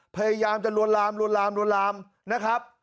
พยายามจะลวนลามลวนลามลวนลามนะครับ